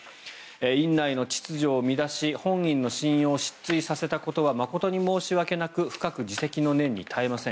院内の秩序を乱し本院の信用を失墜させたことは誠に申し訳なく深く自責の念に堪えません